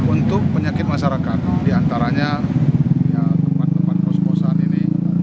untuk penyakit masyarakat diantaranya tempat tempat kos kosan ini